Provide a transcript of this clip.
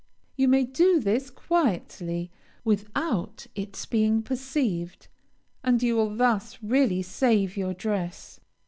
You may do this quietly, without its being perceived, and you will thus really save your dress.